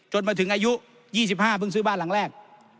มาถึงอายุ๒๕เพิ่งซื้อบ้านหลังแรก